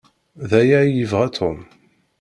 D aya ay yebɣa Tom?